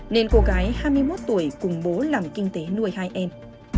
nên cô gái hai mươi một tuổi cùng bố làm kinh tế nuôi hai em